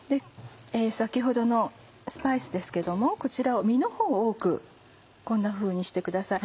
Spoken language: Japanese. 先ほどのスパイスですけどもこちら身のほうを多くこんなふうにしてください。